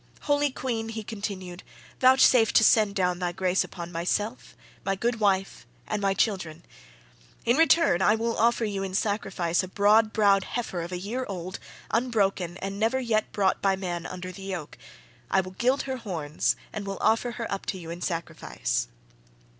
Holy queen," he continued, "vouchsafe to send down thy grace upon myself, my good wife, and my children. In return, I will offer you in sacrifice a broad browed heifer of a year old, unbroken, and never yet brought by man under the yoke. I will gild her horns, and will offer her up to you in sacrifice."